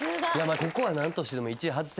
ここは何としてでも。